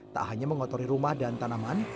tak hanya mengotori rumah dan tanaman